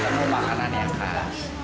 ketemu makanan yang khas